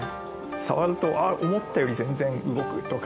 触るとあっ思ったより全然動くとか。